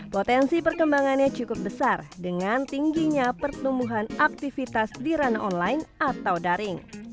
potensi perkembangannya cukup besar dengan tingginya pertumbuhan aktivitas di ranah online atau daring